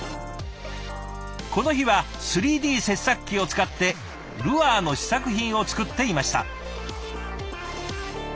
この日は３Ｄ切削機を使ってルアーの試作品を作っていました。